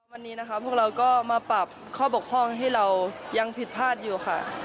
วันนี้นะคะพวกเราก็มาปรับข้อบกพร่องให้เรายังผิดพลาดอยู่ค่ะ